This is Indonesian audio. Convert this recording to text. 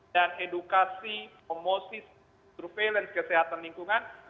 dan edukasi komosis surveillance kesehatan lingkungan